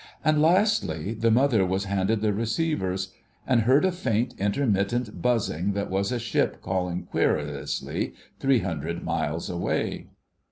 And, lastly, the Mother was handed the receivers, and heard a faint intermittent buzzing that was a ship calling querulously three hundred miles away.